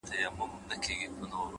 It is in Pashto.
د كار نه دى نور ټوله شاعري ورځيني پاته!